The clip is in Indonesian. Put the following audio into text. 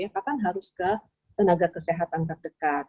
kapan harus ke tenaga kesehatan terdekat